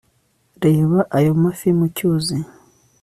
reba ayo mafi mu cyuzi